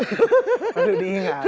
hahaha perlu diingat